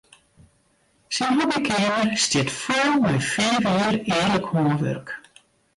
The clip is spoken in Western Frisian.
Syn hobbykeamer stiet fol mei fiif jier earlik hânwurk.